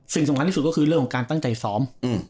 สิ่งสำคัญที่สุดก็คือเรื่องของการตั้งใจซ้อม